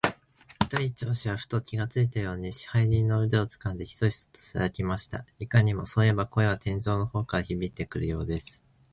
大鳥氏はふと気がついたように、支配人の腕をつかんで、ヒソヒソとささやきました。いかにも、そういえば、声は天井の方角からひびいてくるようです。